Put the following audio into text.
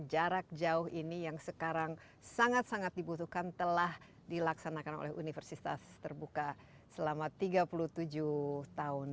jarak jauh ini yang sekarang sangat sangat dibutuhkan telah dilaksanakan oleh universitas terbuka selama tiga puluh tujuh tahun